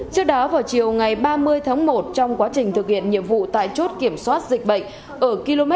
trước đó vào chiều ngày ba mươi tháng một trong quá trình thực hiện nhiệm vụ tại chốt kiểm soát dịch bệnh ở km bốn mươi bốn hai trăm bốn mươi